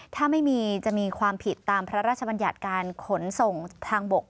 ถ้าไม่มีจะมีความผิดตามพระราชบัญญัติการขนส่งทางบก